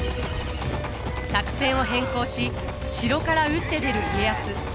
作戦を変更し城から打って出る家康。